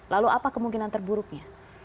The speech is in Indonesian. lalu apa kemungkinan terburuknya